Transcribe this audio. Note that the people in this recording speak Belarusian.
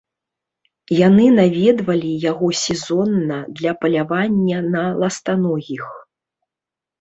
Яны наведвалі яго сезонна для палявання на ластаногіх.